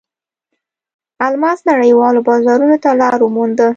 الماس نړیوالو بازارونو ته لار ومونده.